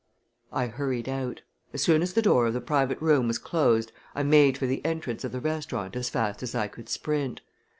I hurried out. As soon as the door of the private room was closed I made for the entrance of the restaurant as fast as I could sprint.